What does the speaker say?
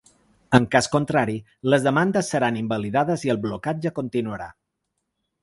En cas contrari les demandes seran invalidades i el blocatge continuarà.